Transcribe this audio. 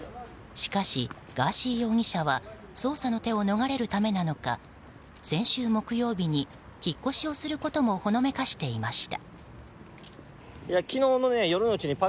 しかし、ガーシー容疑者は捜査の手を逃れるためなのか先週木曜日に引越しをすることもほのめかしていました。